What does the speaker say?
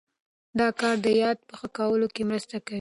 دا کار د یاد په ښه کولو کې مرسته کوي.